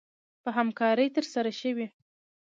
په همکارۍ ترسره شوې